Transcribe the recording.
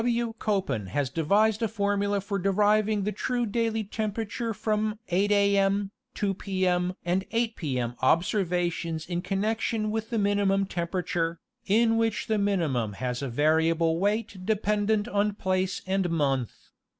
W. Koppen has devised a formula for deriving the true daily temperature from 8 4. M., 2 Pp. mM. and 8 Pp. M. observations in con nection with the minimum temperature, in which the minimum has a variable weight dependent on place and month.